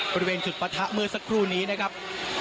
บริเวณจุดปะทะเมื่อสักครู่นี้นะครับ